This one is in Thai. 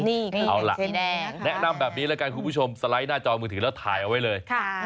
นี่เอาล่ะแนะนำแบบนี้แล้วกันคุณผู้ชมสไลด์หน้าจอมือถือแล้วถ่ายเอาไว้เลย